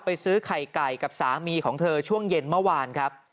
ซื้อไข่ไก่กับสามีของเธอช่วงเย็นเมื่อวานครับ